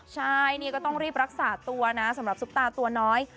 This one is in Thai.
ใช่นี่ก็ต้องรีบรักษาตัวนะสำหรับซุปตาตัวน้อย